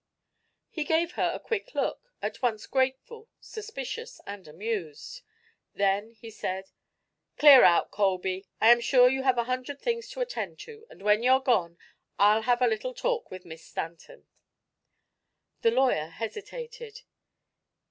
He gave her a quick look, at once grateful, suspicious and amused. Then he said: "Clear out, Colby. I'm sure you have a hundred things to attend to, and when you're gone I'll have a little talk with Miss Stanton." The lawyer hesitated.